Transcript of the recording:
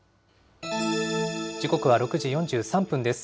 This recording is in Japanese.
時刻は６時４３分です。